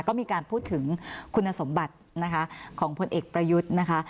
ก็มีการพูดถึงคุณสมบัตินะคะของพลเอกประยุทธ์นะคะ